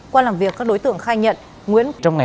qua làm việc các đối tượng khai nhận nguyễn quốc bảo